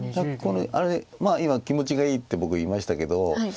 まあ今気持ちがいいって僕言いましたけど。